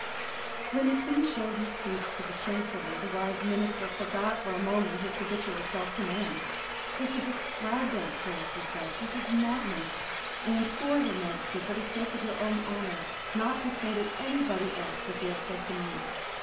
When the King showed his speech to the Chancellor, that wise minister forgot for a moment his habitual self command. "This is extravagance, Sir," he said: "this is madness. I implore your Majesty, for the sake of your own honour, not to say to anybody else what you have said to me."